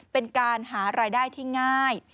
เป็นการหารายได้ที่ง่าย